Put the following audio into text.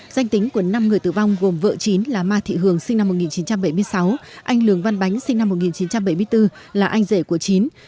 danh tính của năm người tử vong gồm vợ chín là ma thị hường sinh năm một nghìn chín trăm bảy mươi sáu anh lường văn bánh sinh năm một nghìn chín trăm bảy mươi bốn là anh rể của chín